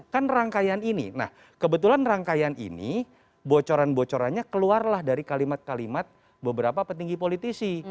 kan rangkaian ini nah kebetulan rangkaian ini bocoran bocorannya keluarlah dari kalimat kalimat beberapa petinggi politisi